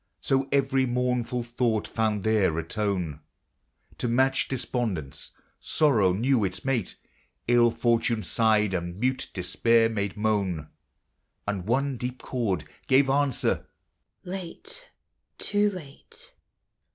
So every mournful thought found there a tone To match despondence : sorrow knew its mate ; 111 fortune sighed, and mute despair made moan ; And one deep chord gave answer, " Late, — too late."